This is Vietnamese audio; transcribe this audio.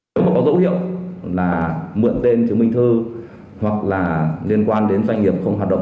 nếu mà có dấu hiệu là mượn tên chứng minh thư hoặc là liên quan đến doanh nghiệp không hoạt động